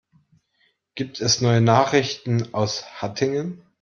Gibt es neue Nachrichten aus Hattingen?